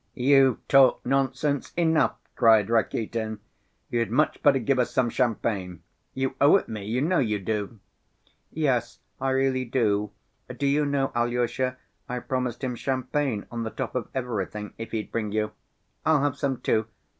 "You've talked nonsense enough," cried Rakitin, "you'd much better give us some champagne. You owe it me, you know you do!" "Yes, I really do. Do you know, Alyosha, I promised him champagne on the top of everything, if he'd bring you? I'll have some too!